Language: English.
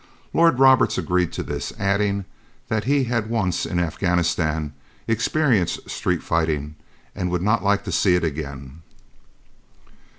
Lord Roberts agreed to this, adding that he had once, in Afghanistan, experienced street fighting and would not like to see it again.